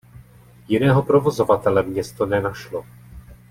Jiného provozovatele město nenašlo.